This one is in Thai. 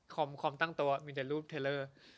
ความตั้งตัวมีแต่รูปเทลเลอร์